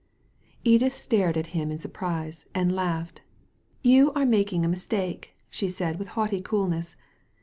Edith stared at him in surprise, and laughed. "You are making a mistake I" she said with haughty coolness.